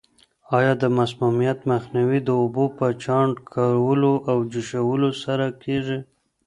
آیا د مسمومیت مخنیوی د اوبو په چاڼ کولو او جوشولو سره کیږي؟